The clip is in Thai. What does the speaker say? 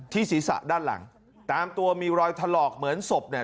ศีรษะด้านหลังตามตัวมีรอยถลอกเหมือนศพเนี่ย